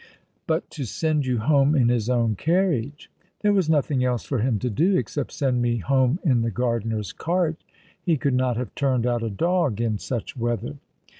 " But to send you home in his own carriage." " There was nothing else for him to do— except send me home in the gardener's cart. He could not have turned out a dog in such weather."